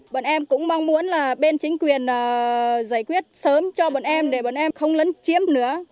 bọn em cũng mong muốn là bên chính quyền giải quyết sớm cho bọn em để bọn em không lấn chiếm nữa